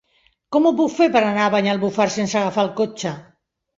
Com ho puc fer per anar a Banyalbufar sense agafar el cotxe?